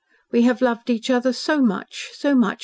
We have loved each other so much so much.